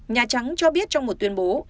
nhà trắng cho biết trong một tuyên bố